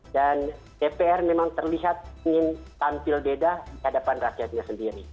dan dpr memang terlihat ingin tampil beda di hadapan rakyatnya sendiri